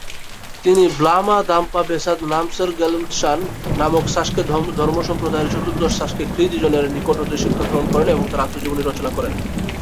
তিনি ব্লা-মা-দাম-পা-ব্সোদ-নাম্স-র্গ্যাল-ম্ত্শান নামক সা-স্ক্যা ধর্মসম্প্রদায়ের চতুর্দশ সা-স্ক্যা-খ্রি-'দ্জিনের নিকট হতে শিক্ষাগ্রহণ করেন এবং তার আত্মজীবনী রচনা করেন।